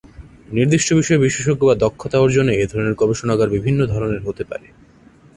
নির্দিষ্ট বিষয়ে বিশেষজ্ঞ বা দক্ষতা অর্জনে এ ধরনের গবেষণাগার বিভিন্ন ধরনের হতে পারে।